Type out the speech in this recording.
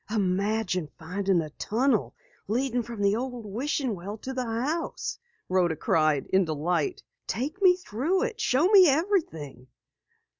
"Imagine finding a tunnel leading from the old wishing well to the house!" Rhoda cried in delight. "Take me through it! Show me everything!"